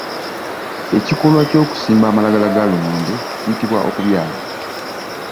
Ekikolwa eky’okusimba amalagala ga lumonde kiyitibwa okubyala.